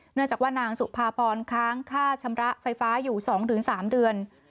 เนื่องจากว่านางสุภาพรค้างค่าชำระไฟฟ้าอยู่๒๓เดือน